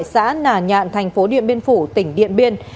xã nà nhạn tp điện biên phủ tỉnh điện biên